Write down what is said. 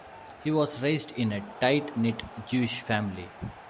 He was raised in a "tight-knit" Jewish family.